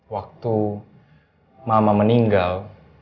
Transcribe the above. waktu mama meninggal